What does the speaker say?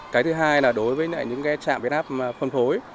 cái thứ hai là đối với những trạm biến áp phân phối